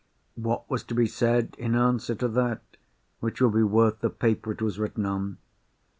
What was to be said in answer to that, which would be worth the paper it was written on?